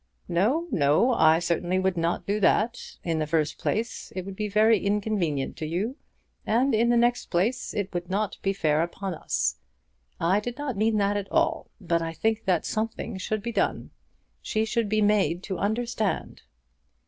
"No, no. I certainly would not do that. In the first place it would be very inconvenient to you, and in the next place it would not be fair upon us. I did not mean that at all. But I think that something should be done. She should be made to understand."